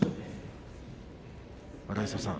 荒磯さん